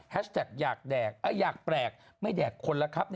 แท็กอยากแดกอยากแปลกไม่แดกคนแล้วครับ